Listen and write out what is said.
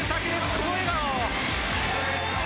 この笑顔。